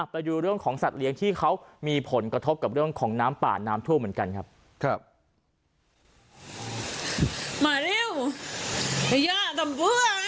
ไปดูเรื่องของสัตว์เลี้ยงที่เขามีผลกระทบกับเรื่องของน้ำป่าน้ำท่วมเหมือนกันครับ